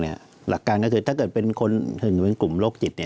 หลักการก็คือถ้าเกิดเป็นคนอื่นเป็นกลุ่มโรคจิต